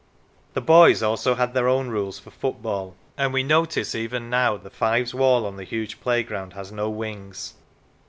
The boys also had their own rules for football, and we notice that even now the fives wall on the huge playground has no wings.